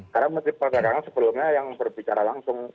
karena menteri perdagangan sebelumnya yang berbicara langsung